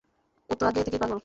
ও তো আগে থেকেই পাগল।